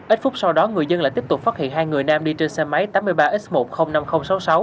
ít phút sau đó người dân lại tiếp tục phát hiện hai người nam đi trên xe máy tám mươi ba x một trăm linh năm nghìn sáu mươi sáu